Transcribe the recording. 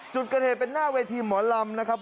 จุดกระเทศเป็นหน้าเวทีหมอนรำนะครับ